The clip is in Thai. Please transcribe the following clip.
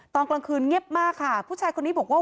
ตอนกลางคืนเงียบมากค่ะผู้ชายคนนี้บอกว่า